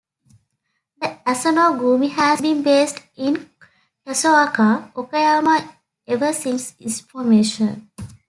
The Asano-gumi has been based in Kasaoka, Okayama ever since its formation.